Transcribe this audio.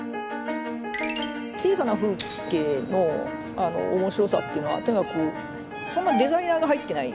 小さな風景の面白さっていうのはそんなデザイナーが入ってない。